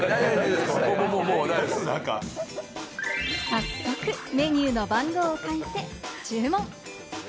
早速メニューの番号を書いて注文。